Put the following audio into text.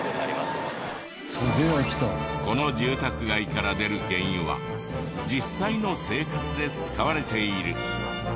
この住宅街から出る原油は実際の生活で使われている。